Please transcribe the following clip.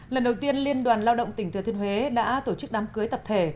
lần đầu tiên liên đoàn lao động tỉnh thừa thiên huế đã tổ chức đám cưới tập thể